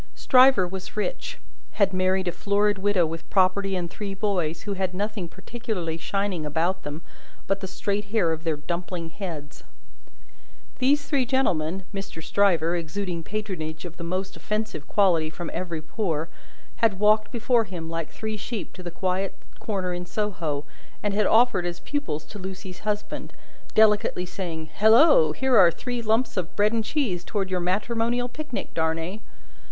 Stryver was rich; had married a florid widow with property and three boys, who had nothing particularly shining about them but the straight hair of their dumpling heads. These three young gentlemen, Mr. Stryver, exuding patronage of the most offensive quality from every pore, had walked before him like three sheep to the quiet corner in Soho, and had offered as pupils to Lucie's husband: delicately saying "Halloa! here are three lumps of bread and cheese towards your matrimonial picnic, Darnay!"